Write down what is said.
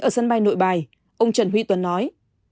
ở sân bay nội bài ông trần huy tuấn nói